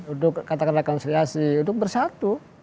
untuk katakan katakan konsiliasi untuk bersatu